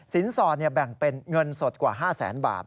สินศรแบ่งเป็นเงินสดกว่า๕๐๐๐๐๐บาท